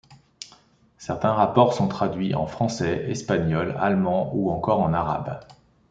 Certains rapports sont traduits en français, espagnol, allemand ou encore en arabe.